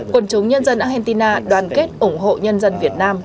quân chúng nhân dân argentina đoàn kết ủng hộ nhân dân việt nam